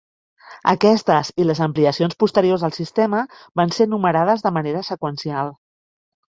Aquestes, i les ampliacions posteriors del sistema, van ser numerades de manera seqüencial.